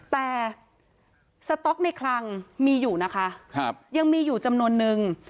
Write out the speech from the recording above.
แต่สต๊อกในคลังมีอยู่นะคะยังมีอยู่จำนวนนึง